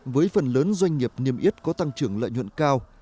với phần lớn doanh nghiệp niêm yết có tăng trưởng lợi nhuận cao